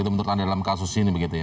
itu menurut anda dalam kasus ini begitu ya